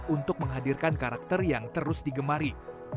untuk menghadirkan karakter yang terus digemari